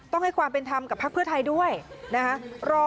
ต้องให้ความเป็นธรรมกับพักเพื่อไทยด้วยนะคะ